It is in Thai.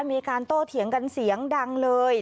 มีการโต้เถียงกันเสียงดังเลย